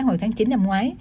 hồi tháng chín năm ngoái